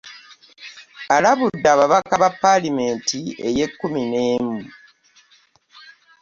Alabudde ababaka ba ppaalamenti ey'ekkumi n'emu.